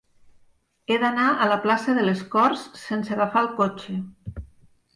He d'anar a la plaça de les Corts sense agafar el cotxe.